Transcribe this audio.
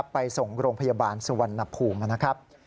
ไปส่งโรงพยาบาลสวรรณภูมิมา